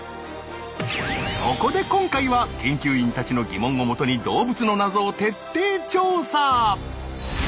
そこで今回は研究員たちの疑問をもとに動物の謎を徹底調査！